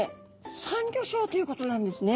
サンギョ礁ということなんですね。